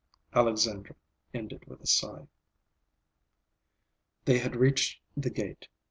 Alexandra ended with a sigh. They had reached the gate.